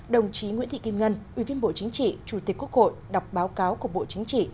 đồng chí nguyễn thị kim ngân ủy viên bộ chính trị chủ tịch quốc hội đọc báo cáo của bộ chính trị